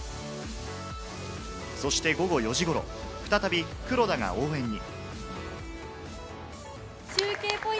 そして午後４時ごろ、再び黒田が応援に。